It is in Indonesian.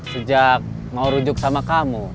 sejak mau rujuk sama kamu